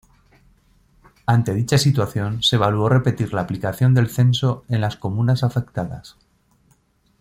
Ante dicha situación, se evaluó repetir la aplicación del censo en las comunas afectadas.